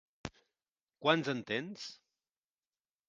Quants en tens?